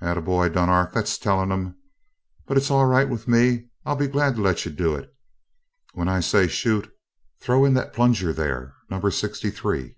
"'At a boy, Dunark! That's tellin' 'im! But it's all right with me I'll be glad to let you do it. When I say 'shoot' throw in that plunger there number sixty three."